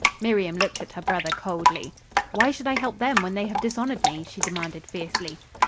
Miriam looked at her brother coldly. "Why should I help them when they have dishonored me?" she demanded fiercely.